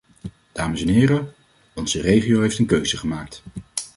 Dames en heren, onze regio heeft een keuze gemaakt.